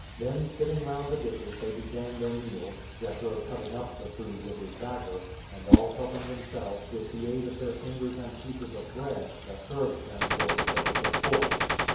Then sitting round the dishes they began their meal, Jethro cutting up the food with his dagger, and all helping themselves with the aid of their fingers and pieces of bread, that served them for the purpose of forks.